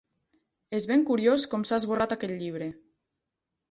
És ben curiós com s'ha esborrat aquest llibre.